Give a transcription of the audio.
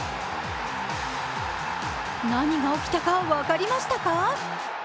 何が起きたか分かりましたか？